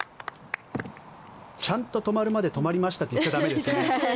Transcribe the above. ちゃんと止まるまで止まりましたって言っちゃ駄目ですね。